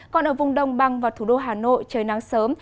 còn ở vùng đông băng và thủ đô hà nội trời nắng sớm